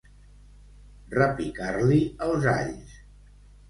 Repicar-li els alls.